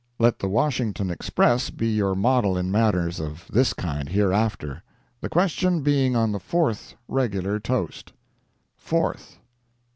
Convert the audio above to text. Let the Washington Express be your model in matters of this kind hereafter. The question being on the fourth regular toast: Fourth.